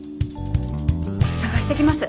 捜してきます。